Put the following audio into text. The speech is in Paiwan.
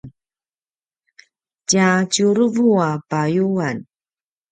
tja tjuruvu a payuan